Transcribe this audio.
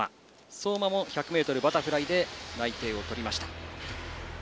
相馬も１００ｍバタフライで内定をとりました。